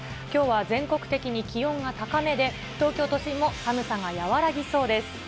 きょうは全国的に気温が高めで、東京都心も寒さが和らぎそうです。